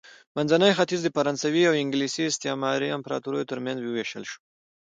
منځنی ختیځ د فرانسوي او انګلیس استعماري امپراتوریو ترمنځ ووېشل شو.